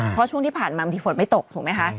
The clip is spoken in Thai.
เพราะช่วงที่ผ่านมาบางทีฝนไม่ตกถูกไหมคะ